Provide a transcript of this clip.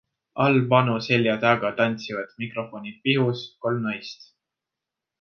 Al Bano selja taga tantsivad, mikrofonid pihus, kolm naist.